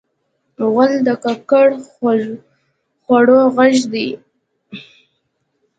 غول د ککړ خوړو غږ دی.